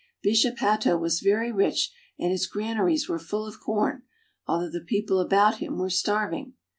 Bishop Hatto was very rich and his granaries were full of corn, although the people about him were starving.